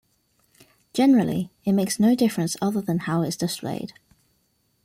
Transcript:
Generally, it makes no difference other than how it's displayed.